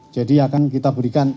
jadi akan kita berikan